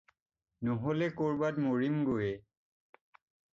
নহ'লে কৰবাত মৰিমগৈয়ে।